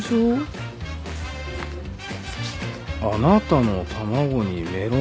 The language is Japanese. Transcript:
あなたの卵にメロメロ